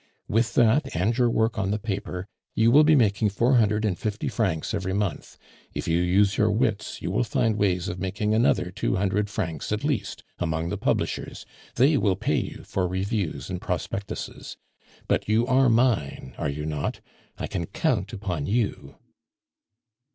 With that and your work on the paper, you will be making four hundred and fifty francs every month. If you use your wits, you will find ways of making another two hundred francs at least among the publishers; they will pay you for reviews and prospectuses. But you are mine, are you not? I can count upon you."